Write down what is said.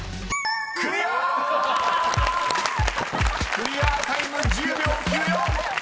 ［クリアタイム１０秒９４！］